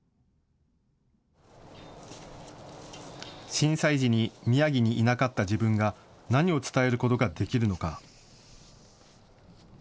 震災時に宮城にいなかった自分が何を伝えることができるのか。